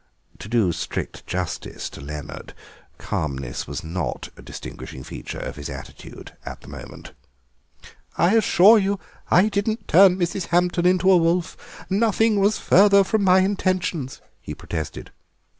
To do strict justice to Leonard, calmness was not a distinguishing feature of his attitude at the moment. "I assure you I didn't turn Mrs. Hampton into a wolf; nothing was farther from my intentions," he protested.